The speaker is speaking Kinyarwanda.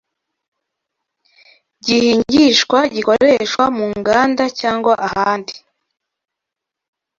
gihingishwa gikoreshwa mu nganda cyangwa ahandi